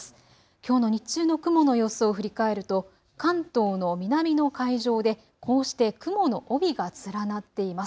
きょうの日中の雲の様子を振り返ると関東の南の海上でこうして雲の帯が連なっています。